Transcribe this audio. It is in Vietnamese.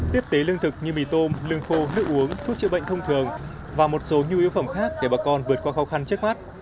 tiếp tế lương thực như mì tôm lương khô nước uống thuốc chữa bệnh thông thường và một số nhu yếu phẩm khác để bà con vượt qua khó khăn trước mắt